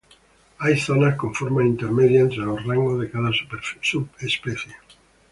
Hay zonas con formas intermedias entre los rangos de cada subespecie.